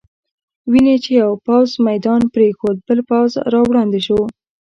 وینې چې یو پوځ میدان پرېښود، بل پوځ را وړاندې شو.